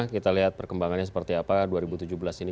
kita lihat perkembangannya seperti apa dua ribu tujuh belas ini